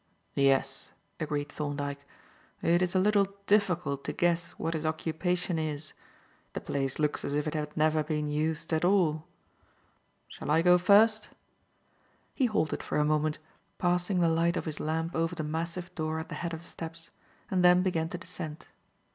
"Yes," agreed Thorndyke, "it is a little difficult to guess what his occupation is. The place looks as if it had never been used at all. Shall I go first?" He halted for a moment, passing the light of his lamp over the massive door at the head of the steps, and then began to descend.